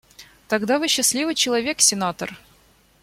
Тогда вы счастливый человек, сенатор.